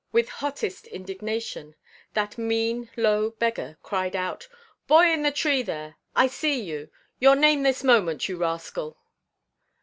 With hottest indignation, that mean low beggar cried out— "Boy in the tree there! I see you! Your name this moment, you rascal!"